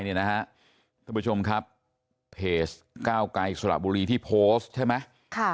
สำหรับผู้ชมครับเพจ๙ไกลสระบุรีที่โพสต์ใช่ไหม